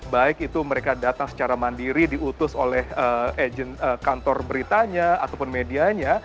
baik itu mereka datang secara mandiri diutus oleh kantor beritanya ataupun medianya